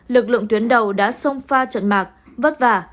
lực lượng tuyến đầu đã xông pha trận mạc vất vả